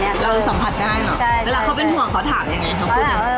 เป็นห่วงเค้าถามยังไง